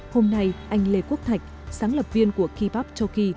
hôm nay anh lê quốc thạch sáng lập viên của kibak toki